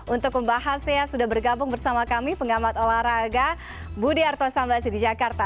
untuk membahasnya sudah bergabung bersama kami pengamat olahraga budi arthosambasi di jakarta